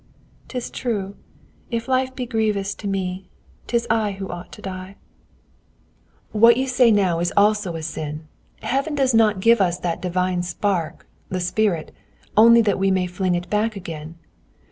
'Tis true. If life be grievous to me, 'tis I who ought to die." "What you now say is also a sin. Heaven does not give us that divine spark, the spirit, only that we may fling it back again.